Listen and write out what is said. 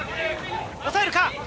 抑えるか？